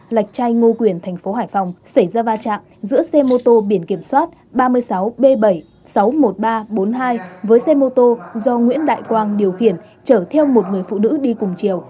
lạch trai ngô quyền thành phố hải phòng xảy ra va chạm giữa xe mô tô biển kiểm soát ba mươi sáu b bảy sáu mươi một nghìn ba trăm bốn mươi hai với xe mô tô do nguyễn đại quang điều khiển chở theo một người phụ nữ đi cùng chiều